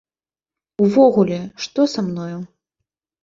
Увогуле, што са мною?